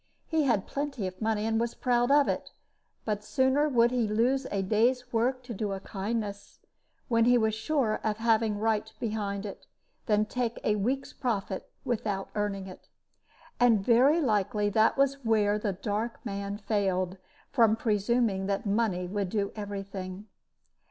He had plenty of money, and was proud of it. But sooner would he lose a day's work to do a kindness, when he was sure of having right behind it, than take a week's profit without earning it. And very likely that was where the dark man failed, from presuming that money would do every thing.